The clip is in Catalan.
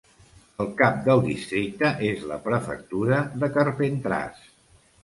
El cap del districte és la prefectura de Carpentràs.